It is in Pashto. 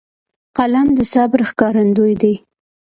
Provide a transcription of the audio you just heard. قلم د صبر ښکارندوی دی